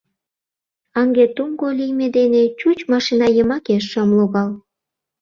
Аҥге-туҥго лийме дене чуч машина йымаке шым логал.